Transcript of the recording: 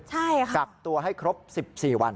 ใช่ค่ะค่ะปรับตัวให้ครบ๑๔วัน